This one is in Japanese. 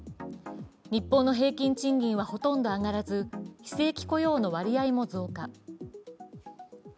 日本の平均賃金はほとんど上がらず非正規雇用の割合も増加。